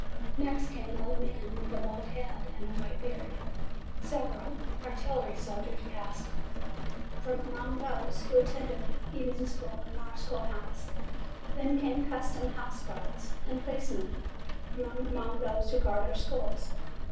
Next came an old man with a bald head and a white beard. Several artillery soldiers passed, from among those who attended evening school in our schoolhouse; then came custom house guards and policemen, from among those who guard our schools.